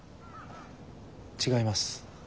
違います。